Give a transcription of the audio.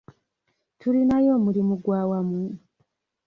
Tulinayo omulimu gw'awamu?